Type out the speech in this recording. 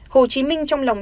hồ chí minh trong lòng